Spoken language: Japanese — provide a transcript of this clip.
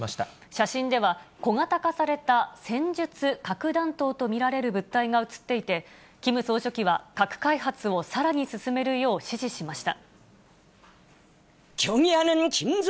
写真では、小型化された戦術核弾頭と見られる物体が写っていて、キム総書記は核開発をさらに進めるよう指示しました。